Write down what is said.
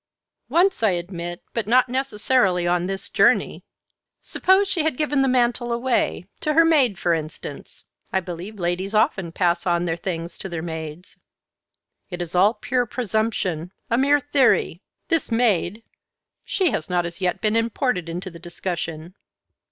"Once, I admit, but not necessarily on this journey. Suppose she had given the mantle away to her maid, for instance; I believe ladies often pass on their things to their maids." "It is all pure presumption, a mere theory. This maid she has not as yet been imported into the discussion."